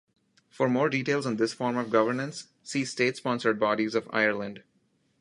For more details on this form of governance, see state-sponsored bodies of Ireland.